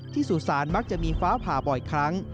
ที่สู่ศาลมักจะมีฟ้าผ่าบ่อยครั้ง